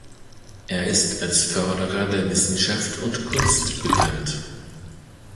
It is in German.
Er ist als Förderer der Wissenschaft und Kunst bekannt.